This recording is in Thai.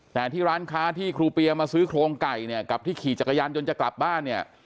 แต่ที่ร้านค้าที่ครูเปียมาซื้อโครงไก่เนี่ยกับที่ขี่จักรยานยนต์จะกลับบ้านเนี่ย